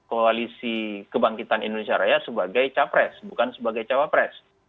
dan oleh kir koalisi kebangkitan indonesia raya sebagai capres bukan sebagai cawapres